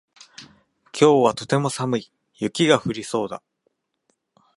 今日はとても寒い。雪が降りそうだ。